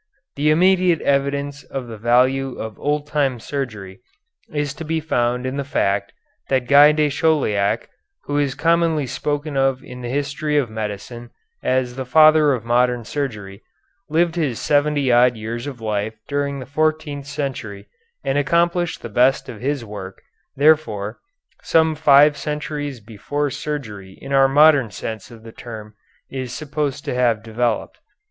The immediate evidence of the value of old time surgery is to be found in the fact that Guy de Chauliac, who is commonly spoken of in the history of medicine as the Father of Modern Surgery, lived his seventy odd years of life during the fourteenth century and accomplished the best of his work, therefore, some five centuries before surgery in our modern sense of the term is supposed to have developed.